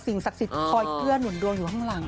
ศักดิ์สิทธิ์คอยเกื้อหนุนดวงอยู่ข้างหลัง